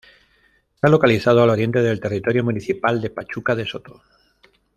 Está localizado al oriente del territorio municipal de Pachuca de Soto.